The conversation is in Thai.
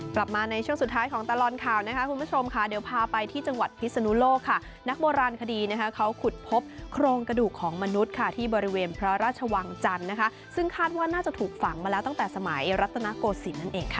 กลับมาในช่วงสุดท้ายของตลอดข่าวนะคะคุณผู้ชมค่ะเดี๋ยวพาไปที่จังหวัดพิศนุโลกค่ะนักโบราณคดีนะคะเขาขุดพบโครงกระดูกของมนุษย์ค่ะที่บริเวณพระราชวังจันทร์นะคะซึ่งคาดว่าน่าจะถูกฝังมาแล้วตั้งแต่สมัยรัตนโกศิลป์นั่นเองค่ะ